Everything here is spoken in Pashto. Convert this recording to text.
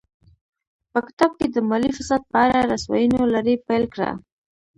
په کتاب کې د مالي فساد په اړه رسواینو لړۍ پیل کړه.